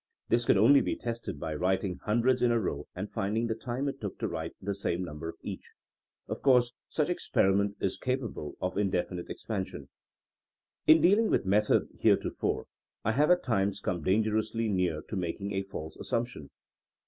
This could only be tested by writing hundreds in a row and finding the time it took to write the same number of each. Of course such experiment is capable of indefinite expan sion. In dealing with method heretofore, I have at times come dangerously near to making a false assumption.